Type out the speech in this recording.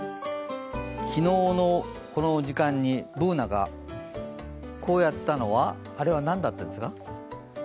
昨日のこの時間にＢｏｏｎａがこうやったのは、あれは何だったんですか？